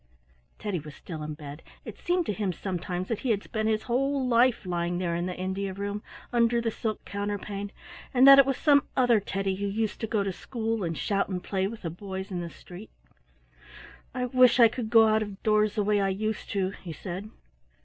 Teddy was still in bed. It seemed to him sometimes that he had spent his whole life lying there in the India room, under the silk counterpane, and that it was some other Teddy who used to go to school and shout and play with the boys in the street. "I wish I could go out of doors the way I used to," he said.